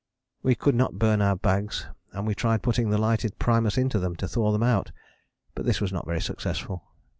We could not burn our bags and we tried putting the lighted primus into them to thaw them out, but this was not very successful.